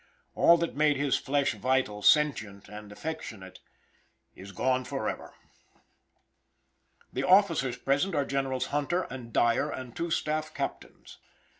All that made this flesh vital, sentient, and affectionate is gone forever. The officers present are Generals Hunter and Dyer and two staff captains.